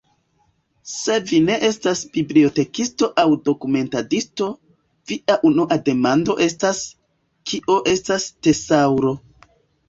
Se vi ne estas bibliotekisto aŭ dokumentadisto, via unua demando estas, kio estas tesaŭro.